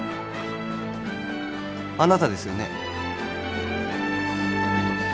あなたですよね？